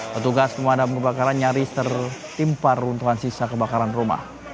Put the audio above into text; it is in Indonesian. petugas pemadam kebakaran nyaris tertimpar runtuhan sisa kebakaran rumah